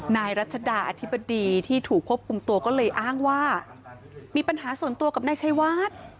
นายรัชดาอธิบดีที่ถูกควบคุมตัวก็เลยอ้างว่ามีปัญหาส่วนตัวกับนายชัยวัด